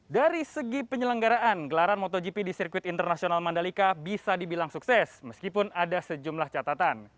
dari segi penyelenggaraan gelaran motogp di sirkuit internasional mandalika bisa dibilang sukses meskipun ada sejumlah catatan